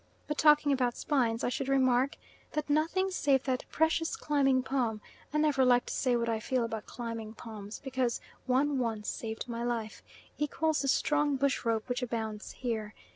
But talking about spines, I should remark that nothing save that precious climbing palm I never like to say what I feel about climbing palms, because one once saved my life equals the strong bush rope which abounds here.